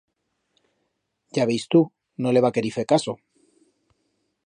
Ya veis tu, no le va querir fer caso.